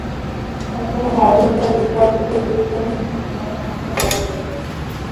শতকরা হার অনুসারে, নেপাল বিশ্বের বৃহত্তম হিন্দু জনসংখ্যা রয়েছে।